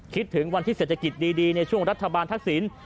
คิดถึงวันที่เศรษฐกิจดีในช่วงรัฐบาลทักษิณ